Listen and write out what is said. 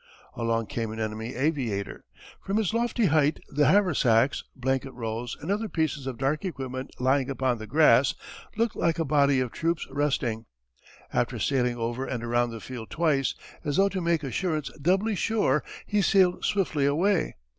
Along came an enemy aviator. From his lofty height the haversacks, blanket rolls, and other pieces of dark equipment lying upon the grass looked like a body of troops resting. After sailing over and around the field twice as though to make assurance doubly sure he sailed swiftly away.